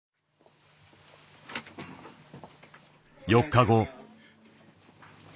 ４日後。